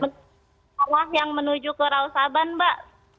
bawah yang menuju ke rauh saban mbak